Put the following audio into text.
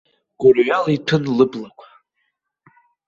Гәырҩала иҭәын лыблақәа.